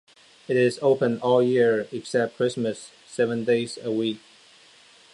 It is open all-year except Christmas, seven days a week.